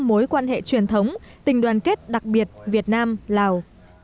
mối quan hệ truyền thống tình đoàn kết đặc biệt việt nam lào